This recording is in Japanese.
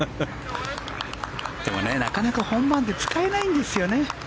でも、なかなか本番で使えないんですよね。